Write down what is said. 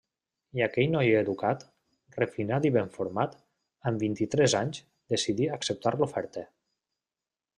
I aquell noi educat, refinat i ben format, amb vint-i-tres anys, decidí acceptar l’oferta.